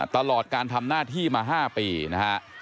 ตลอดการทำหน้าที่มา๕ปีนะฮะ